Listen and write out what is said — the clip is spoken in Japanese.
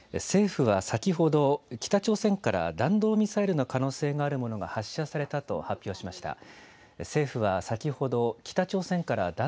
政府は先ほど、北朝鮮から弾道ミサイルの可能性があるものが発射されたと発表しました。